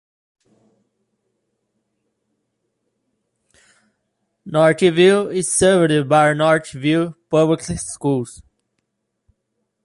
Northville is served by Northville Public Schools.